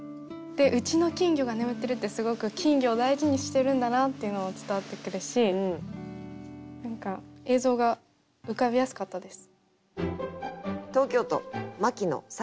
「うちの金魚が眠ってる」ってすごく金魚を大事にしてるんだなっていうのも伝わってくるし何か映像が浮かびやすかったです。